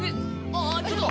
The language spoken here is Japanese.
あっちょっと！